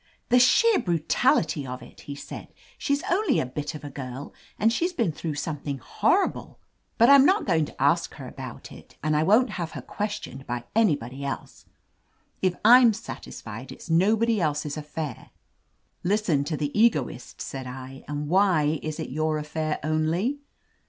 "The sheer brutaHty of it!'* he said. "She's only a bit of a girl, and she's been through something horr3>le. But I'm not going to ask 171 "] THE AMAZING ADVENTURES her about it, and I won't have her questioned by anybody else. If I'm satisfied, it's nobody else's affair." "Listen to tlie^ egoist !" said I. "And why is it your aflfair only."